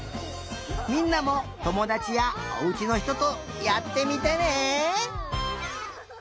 みんなもともだちやおうちのひととやってみてね！